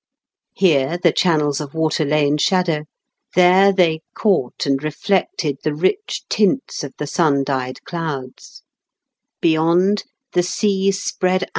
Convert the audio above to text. Here the chan nels of water lay in shadow, there they caught and reflected the rich tints of the sun dyed clouds.